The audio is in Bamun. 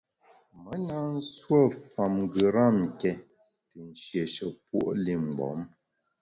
Me na nsuo fam ngeram ké te nshiéshe puo’ li mgbom.